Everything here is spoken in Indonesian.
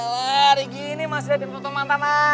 gak bisa ketemu sama ada